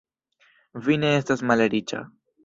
Vi ne estas malriĉa.